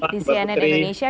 di cnn indonesia